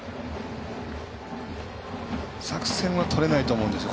作戦はとれないと思うんですよ。